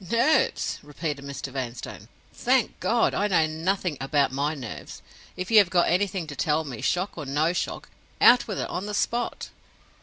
"Nerves!" repeated Mr. Vanstone. "Thank God, I know nothing about my nerves. If you have got anything to tell me, shock or no shock, out with it on the spot."